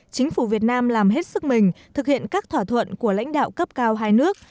chính phủ việt nam làm hết sức mình thực hiện các thỏa thuận của lãnh đạo cấp cao hai nước